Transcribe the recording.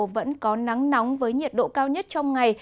vẫn có nắng nóng với nhiệt độ cao nhất trong ngày